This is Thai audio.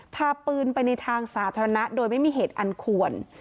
พาปืนไปในทางสาธารณะโดยไม่มีเหตุอันควร